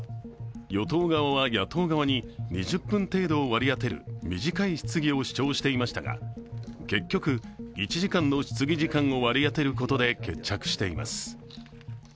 与党側は野党側に２０分程度を割り当てる短い質疑を主張していましたが結局、１時間の質疑時間を割り当てることで決着しています。